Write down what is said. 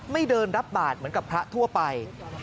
ไม่เดินรับบาทเหมือนกับพระทั่วไป